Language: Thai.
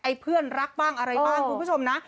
เพื่อนรักบ้างอะไรบ้างคุณผู้ชมนะ